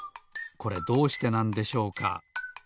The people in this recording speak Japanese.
これどうしてなんでしょうか？